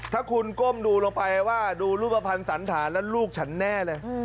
ถ้าคุณก้มดูลงไปว่าดูรูปภัณฑ์สันฐานแล้วลูกฉันแน่เลย